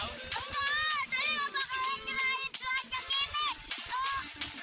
sali gak bakalan nyerahin keranjang ini